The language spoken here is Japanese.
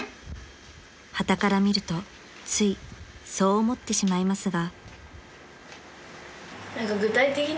［はたから見るとついそう思ってしまいますが］